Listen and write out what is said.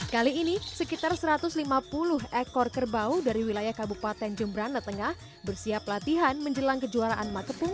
kali ini sekitar satu ratus lima puluh ekor kerbau dari wilayah kabupaten jemberana tengah bersiap latihan menjelang kejuaraan makepung